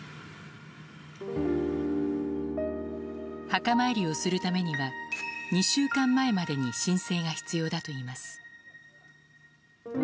墓参りをするためには２週間前までに申請が必要だといいます。